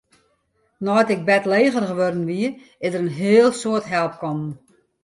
Nei't ik bêdlegerich wurden wie, is der in heel soad help kommen.